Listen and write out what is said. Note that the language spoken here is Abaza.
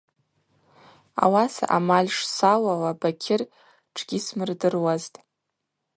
Ауаса амаль шсауала Бакьыр тшгьисмырдыруазтӏ.